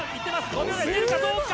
５秒台切れるかどうか。